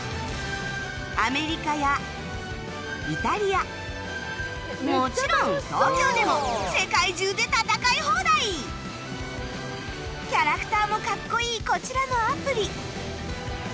アメリカやイタリアもちろん東京でもキャラクターもかっこいいこちらのアプリ